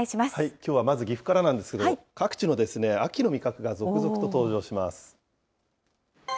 きょうはまず岐阜からなんですけど、各地の秋の味覚が続々と登場します。